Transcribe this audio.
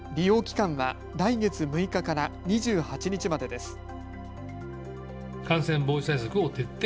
利用期間は来月６日から２８日までです。